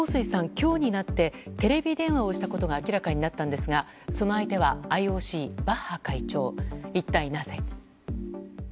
今日になってテレビ電話をしたことが明らかになったんですがその相手はＩＯＣ、バッハ会長一体なぜ。